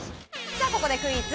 さあ、ここでクイズ。